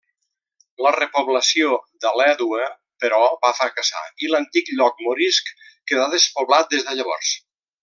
La repoblació d'Alèdua, però, va fracassar, i l'antic lloc morisc quedà despoblat des de llavors.